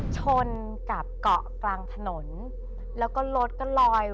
ชนกับเกาะกลางถนนแล้วก็รถก็ลอย